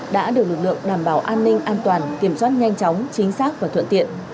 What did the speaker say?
đã được lực lượng đảm bảo an ninh an toàn kiểm soát nhanh chóng chính xác và thuận tiện